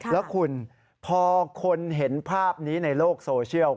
แล้วคุณพอคนเห็นภาพนี้ในโลกโซเชียล